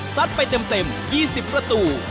ไปเต็ม๒๐ประตู